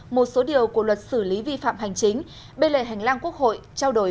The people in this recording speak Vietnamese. một số điều của luật xử lý vi phạm hành chính bê lệ hành lan quốc hội trao đổi